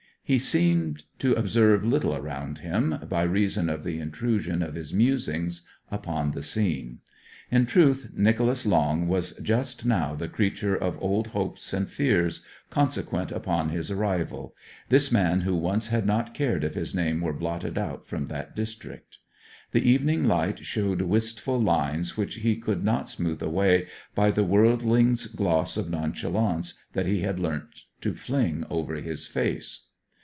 He seemed to observe little around him, by reason of the intrusion of his musings upon the scene. In truth Nicholas Long was just now the creature of old hopes and fears consequent upon his arrival this man who once had not cared if his name were blotted out from that district. The evening light showed wistful lines which he could not smooth away by the worldling's gloss of nonchalance that he had learnt to fling over his face.